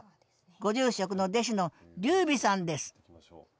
ご住職の弟子の龍美さんです